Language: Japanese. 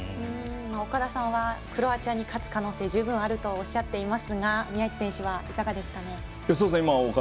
岡田さんはクロアチアに勝つ可能性は十分あるとおっしゃっていますが宮市選手はいかがですか？